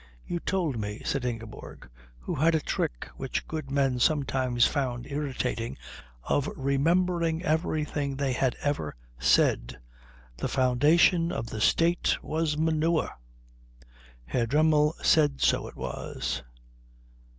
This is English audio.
"You told me," said Ingeborg, who had a trick which good men sometimes found irritating of remembering everything they had ever said, "the foundation of the State was manure." Herr Dremmel said so it was.